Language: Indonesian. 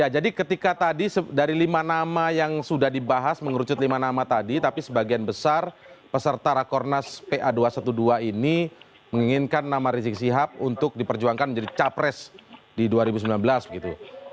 jadi ketika tadi dari lima nama yang sudah dibahas mengerucut lima nama tadi tapi sebagian besar peserta rakornas pa dua ratus dua belas ini menginginkan nama rizik sihab untuk diperjuangkan menjadi capres di dua ribu sembilan belas begitu